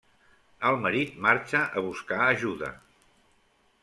El marit marxa a buscar ajuda.